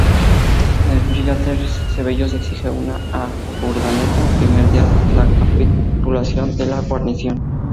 El brigadier Ceballos exige a Urdaneta el primer día la capitulación de la guarnición.